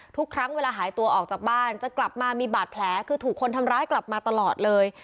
ทุกครั้งเวลาหายตัวออกจากบ้านจะกลับมามีบาดแผลคือถูกคนทำร้ายกลับมาตลอดเลย